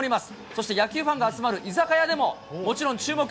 そして野球ファンが集まる居酒屋でももちろん注目。